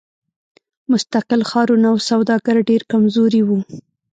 مستقل ښارونه او سوداګر ډېر کمزوري وو.